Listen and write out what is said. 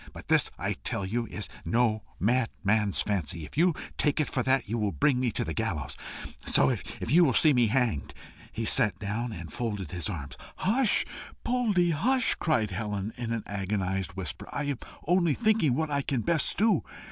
But this I tell you is no madman's fancy. If you take it for that, you will bring me to the gallows. So, if you will see me hanged, " He sat down and folded his arms. "Hush! Poldie, hush!" cried Helen, in an agonized whisper. "I am only thinking what I can best do.